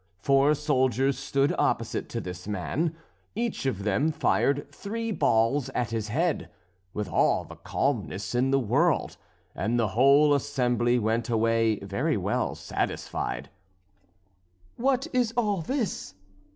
Four soldiers stood opposite to this man; each of them fired three balls at his head, with all the calmness in the world; and the whole assembly went away very well satisfied. "What is all this?"